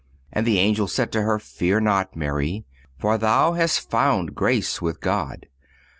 And the Angel said to her: Fear not, Mary, for thou hast found grace with God.